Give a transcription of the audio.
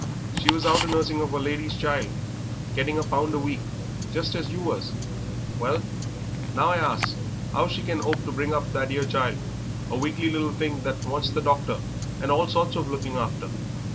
She's out a'nursing of a lady's child, getting a pound a week, just as you was; well, now I asks 'ow she can 'ope to bring up that 'ere child a weakly little thing that wants the doctor and all sorts of looking after.